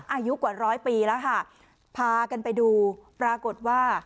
อายุกว่าร้อยปีแล้วค่ะพากันไปดูปรากฏว่า